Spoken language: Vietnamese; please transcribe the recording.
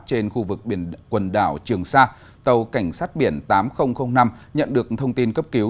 trên khu vực quần đảo trường sa tàu cảnh sát biển tám nghìn năm nhận được thông tin cấp cứu